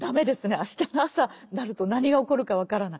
明日の朝になると何が起こるか分からない。